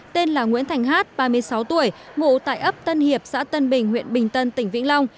tên là nguyễn thành hát ba mươi sáu tuổi ngụ tại ấp tân hiệp xã tân bình huyện bình tân tỉnh vĩnh long